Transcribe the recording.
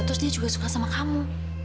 terus dia juga suka sama kamu